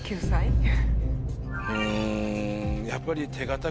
うんやっぱり。